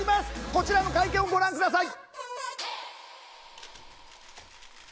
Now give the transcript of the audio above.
こちらの会見をご覧下さい。